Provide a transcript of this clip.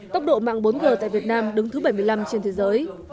tốc độ mạng bốn g tại việt nam đứng thứ bảy mươi năm trên thế giới